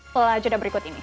selanjutnya berikut ini